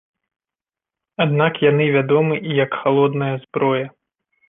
Аднак яны вядомы і як халодная зброя.